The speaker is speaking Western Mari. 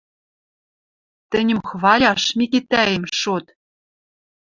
Тӹньӹм хваляш, Микитӓэм, шот.